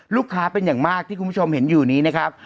ลูกค้าเป็นอย่างมากที่คุณผู้ชมเห็นอยู่นี้นะครับ